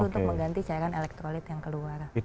untuk mengganti cairan elektrolit yang keluar